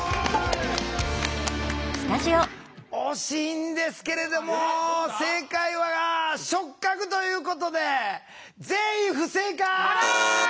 惜しいんですけれども正解は「触覚」ということで全員不正解！